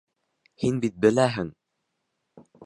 Һин бит беләһең!